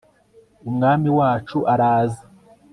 umwami wacu araza